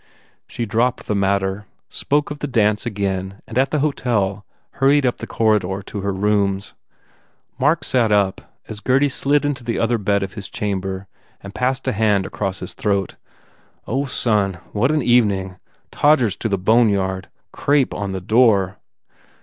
She dropped the matter, spoke of the dance again and at the hotel hurried up the corridor to her rooms. Mark sat up as Gurdy slid into the other bed of his chamber and passed a hand across his throat, "Oh, son, what an evening! Todgers to the boneyard! Crape on the door!"